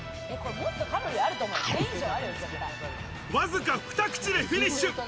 わずか２口でフィニッシュ。